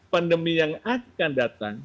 pandemi yang akan datang